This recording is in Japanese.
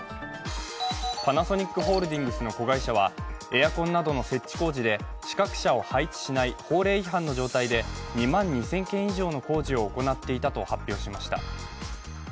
パナソニックホールディングスの子会社はエアコンなどの設置工事で資格者を配置しない法令違反の状態で２万２０００件以上の工事を行っていたと発表しました。